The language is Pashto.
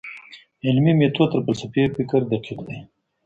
علمي ميتود تر فلسفي فکر دقيق دی.